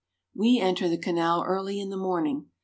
We enter the canal early in the morning.